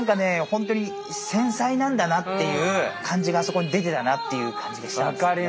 本当に繊細なんだなっていう感じがそこに出てたなっていう感じがしたんですね。